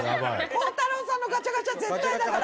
鋼太郎さんのガチャガチャ絶対だから。